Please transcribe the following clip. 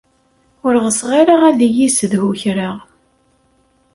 Ur ɣseɣ ara ad iyi-yessedhu kra.